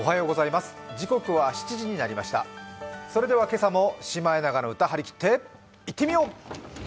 それでは今朝も「シマエナガの歌」はりきっていってみよう！